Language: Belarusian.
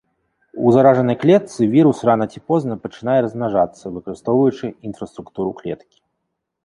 У заражанай клетцы вірус рана ці позна пачынае размнажацца, выкарыстоўваючы інфраструктуру клеткі.